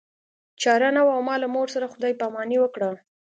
چاره نه وه او ما له مور سره خدای پاماني وکړه